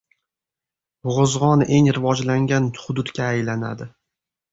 G‘ozg‘on eng rivojlangan hududga aylanadi